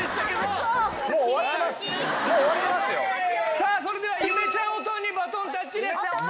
さあそれではゆめちゃんおとんにバトンタッチです。